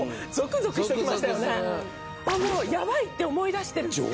ヤバいって思い出してるっていう。